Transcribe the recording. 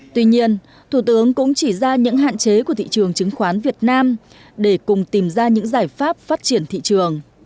tuy nhiên thủ tướng cũng chỉ ra những hạn chế của thị trường chứng khoán việt nam để cùng tìm ra những giải pháp phát triển thị trường